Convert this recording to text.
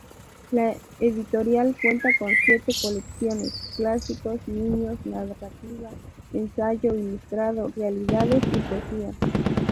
La editorial cuenta con siete colecciones: "Clásicos", "Niños", "Narrativa", "Ensayo", "Ilustrado", "Realidades" y "Poesía".